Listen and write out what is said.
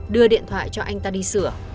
đưa điện thoại cho anh ta đi sửa